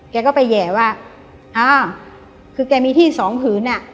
แกก็ไปแห่ว่าอ่าคือแกมีที่สองผืนอ่ะ